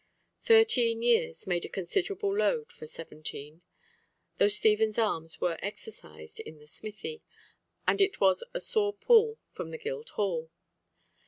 Thirteen years made a considerable load for seventeen, though Stephen's arms were exercised in the smithy, and it was a sore pull from the Guildhall.